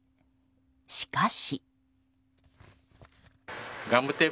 しかし。